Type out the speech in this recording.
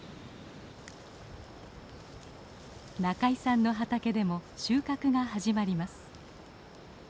仲井さんの畑でも収穫が始まります。